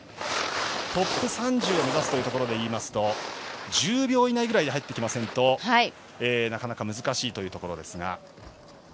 トップ３０を目指すというところでいいますと１０秒以内ぐらいに入ってこないとなかなか難しいところですが。